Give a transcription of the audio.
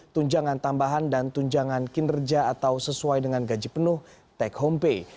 tunjangan tambahan dan tunjangan kinerja atau sesuai dengan gaji penuh take home pay